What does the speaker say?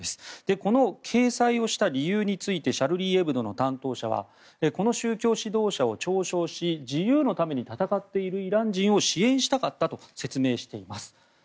この掲載をした理由についてシャルリー・エブドの担当者はこの宗教指導者を嘲笑し自由のために闘っているイラン人を支援したかったと説明しています。